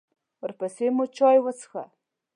ورپسې مو چای وڅښه.